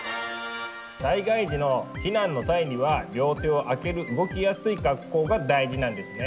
災害時の避難の際には両手を空ける動きやすい格好が大事なんですね。